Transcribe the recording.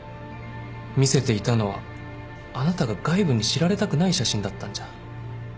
見せていたのはあなたが外部に知られたくない写真だったんじゃ？